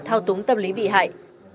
thao túng tâm lý bị hại